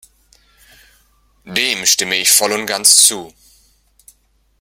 Dem stimme ich voll und ganz zu.